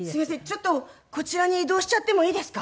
ちょっとこちらに移動しちゃってもいいですか？